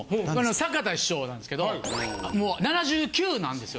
坂田師匠なんですけどもう７９なんですよ